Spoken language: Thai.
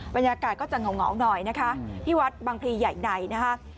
บรรยากาศก็จะเหงาหน่อยนะคะที่วัดบางพลีใหญ่ในนะคะ